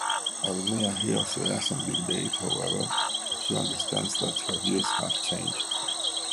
As Mia hears the Assembly's debate, however, she understands that her views have changed.